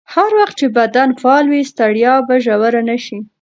هر وخت چې بدن فعال وي، ستړیا به ژوره نه شي.